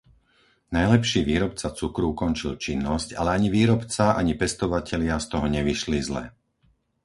Najlepší výrobca cukru ukončil činnosť, ale ani výrobca ani pestovatelia z toho nevyšli zle.